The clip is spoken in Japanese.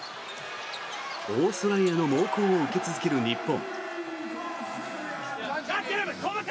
オーストラリアの猛攻を受け続ける日本。